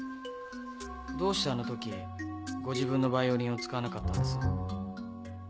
どうしてあの時ご自分のバイオリンを使わなかったんです？